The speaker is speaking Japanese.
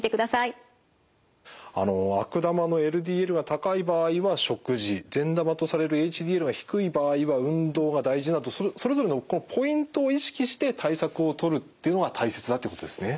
あの悪玉のＬＤＬが高い場合は食事善玉とされるＨＤＬが低い場合は運動が大事だとそれぞれのポイントを意識して対策をとるっていうのが大切だっていうことですね。